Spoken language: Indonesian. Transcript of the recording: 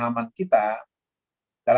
yaitu melanjutkan selagi ini